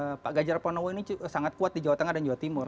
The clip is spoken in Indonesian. karena pak ganjar pranowo ini sangat kuat di jawa tengah dan jawa timur